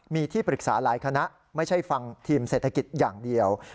มีที่ปรึกษาหลายคณะไม่ใช่ฟังทีมเศรษฐกิจอย่างเดียว